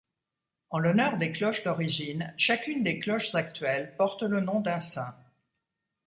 En l'honneur des cloches d'origine, chacune des cloches actuelles porte le nom d'un saint.